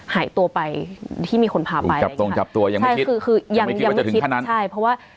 หายตัวไปที่มีคนพาไปตรงจับตัวยังไม่คิดว่าจะถึงขนาดนั้น